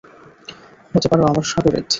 হতে পারো আমাদের শাগরেদ।